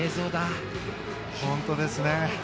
本当ですね。